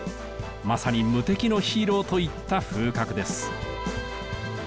まさに「無敵のヒーロー」といった風格です。